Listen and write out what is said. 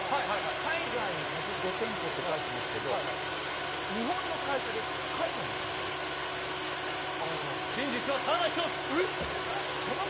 海外に１０５店舗って書いてますけど日本の会社ですか真実はただ１つ！